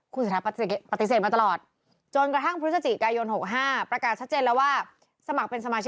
ครูเสถาปฏิเสธปฏิเสธมาตลอด